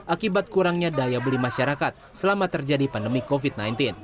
akibat kurangnya daya beli masyarakat selama terjadi pandemi covid sembilan belas